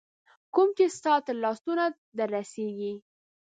کوم چي ستا تر لاسونو در رسیږي